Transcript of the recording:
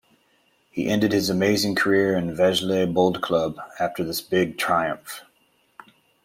He ended his amazing career in Vejle Boldklub after this big triumph.